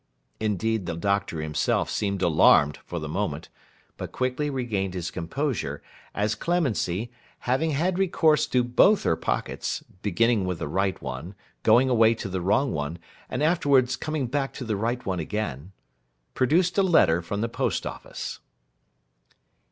Indeed the Doctor himself seemed alarmed, for the moment; but quickly regained his composure, as Clemency, having had recourse to both her pockets—beginning with the right one, going away to the wrong one, and afterwards coming back to the right one again—produced a letter from the Post office.